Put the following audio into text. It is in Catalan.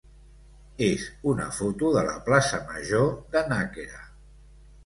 és una foto de la plaça major de Nàquera.